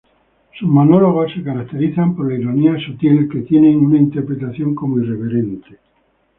Sus monólogos se caracterizan por la ironía sutil, que tienen una interpretación como irreverente.